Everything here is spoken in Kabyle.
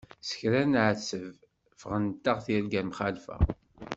S kra i neɛteb ffɣent-aɣ tirga mxalfa.